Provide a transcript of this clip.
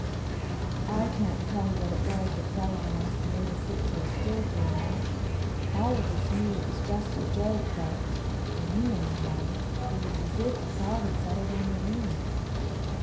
I can't tell what it was that fell on us and made us sit so still for a minute. All of us knew it was just a joke, but—for me, anyway—it was as if a cloud had settled on the room.